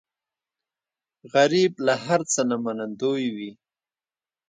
غریب له هر څه نه منندوی وي